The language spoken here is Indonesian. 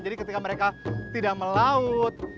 jadi ketika mereka tidak melaut